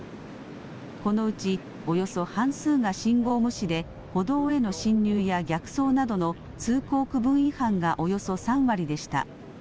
このうちおよそ半数が信号無視で、歩道への進入や逆走などの通行区分違反がおよそ３割でした。